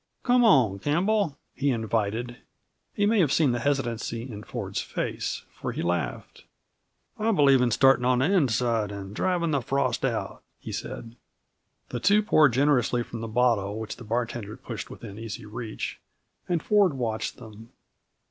"Come on, Campbell," he invited. He may have seen the hesitancy in Ford's face, for he laughed. "I believe in starting on the inside and driving the frost out," he said. The two poured generously from the bottle which the bartender pushed within easy reach, and Ford watched them.